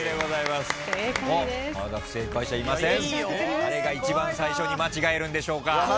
誰が一番最初に間違えるんでしょうか。